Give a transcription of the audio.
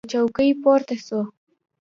له چوکۍ پورته سو.